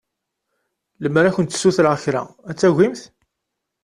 Lemmer ad kent-ssutreɣ kra ad tagimt?